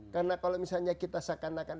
karena kalau misalnya kita seakan akan